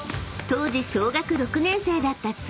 ［当時小学６年生だった］